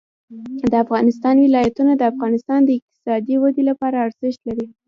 د افغانستان ولايتونه د افغانستان د اقتصادي ودې لپاره ارزښت لري.